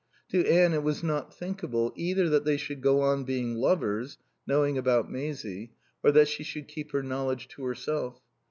To Anne it was not thinkable, either that they should go on being lovers, knowing about Maisie, or that she should keep her knowledge to herself.